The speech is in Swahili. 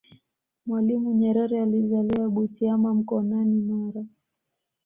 mwalimu nyerere alizaliwa butiama mkonani mara